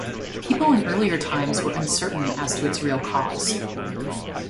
The people in earlier times were uncertain as to its real cause.